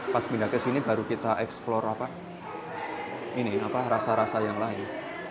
pas pindah ke sini baru kita eksplor rasa rasa yang lain